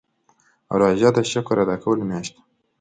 روژه د شکر ادا کولو میاشت ده.